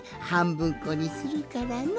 ぶんこにするからの。